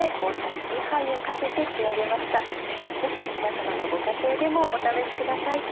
ぜひ皆さまのご家庭でもお試しください。